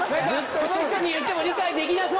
この人に言っても理解できなそう。